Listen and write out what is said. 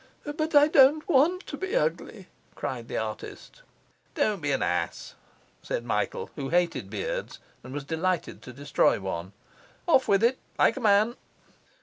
'But I don't want to be ugly,' cried the artist. 'Don't be an ass,' said Michael, who hated beards and was delighted to destroy one. 'Off with it like a man!